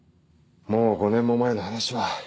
もう５年も前の話は。